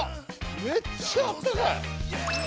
めっちゃあったかい！